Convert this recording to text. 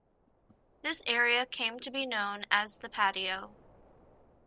This area came to be known as "The Patio".